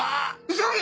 急げ！